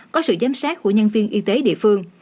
có sự giám sát của nhân viên y tế địa phương